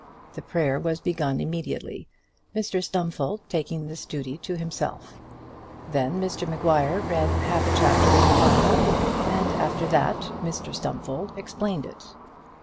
The prayer was begun immediately, Mr Stumfold taking this duty himself. Then Mr Maguire read half a chapter in the Bible, and after that Mr Stumfold explained it.